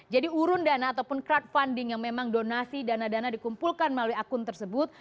jadi urun dana ataupun crowdfunding yang memang donasi dana dana dikumpulkan melalui akun tersebut